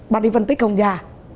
bạn đi phân tích không nha